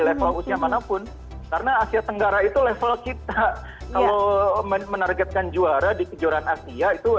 level usia manapun karena asia tenggara itu level kita kalau menargetkan juara di kejuaraan asia itu